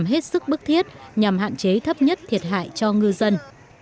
để làm hết sức bức thiết nhằm hạn chế thấp nhất thiệt hại cho ngư dân